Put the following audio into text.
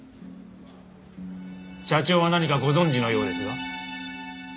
社長は何かご存じのようですが。